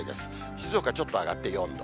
静岡ちょっと上がって４度。